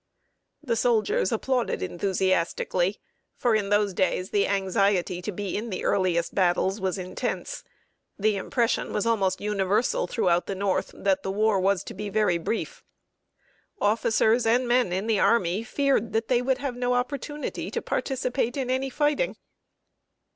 The soldiers applauded enthusiastically for in those days the anxiety to be in the earliest battles was intense. The impression was almost universal throughout the North that the war was to be very brief. Officers and men in the army feared they would have no opportunity to participate in any fighting!